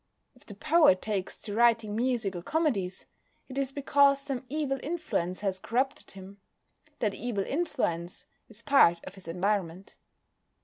If the poet takes to writing musical comedies, it is because some evil influence has corrupted him. That evil influence is part of his environment.